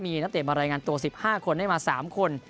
มีนักเตะมารายงานตัว๑๕คนได้มา๓คน